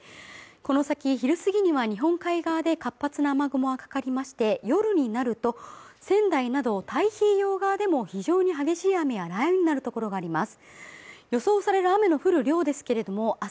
この先昼過ぎには日本海側で活発な雨雲がかかりまして、夜になると仙台など太平洋側でも非常に激しい雨や雷雨になるところがあります。